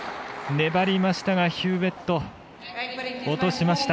粘りましたが、ヒューウェット落としました。